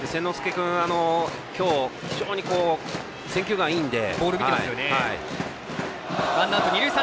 君、今日非常に選球眼いいので。